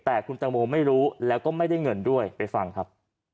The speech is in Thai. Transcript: แต่คุณตังโมไม่รู้แล้วก็ไม่ได้เงินด้วยไปฟังครับ